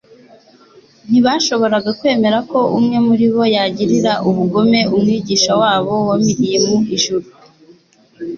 Ntibashoboraga kwemera ko umwe muri bo yagirira ubugome Umwigisha wabo wamrye mu ijuru.